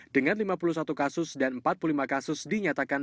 dengan lima puluh satu kasus dan empat puluh lima kasus dinyatakan